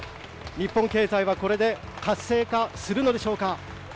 日本経済はこれで活性化するのでしょうか。